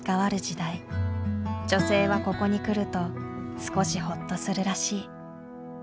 女性はここに来ると少しホッとするらしい。